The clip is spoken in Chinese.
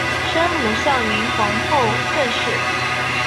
生母孝明皇后郑氏。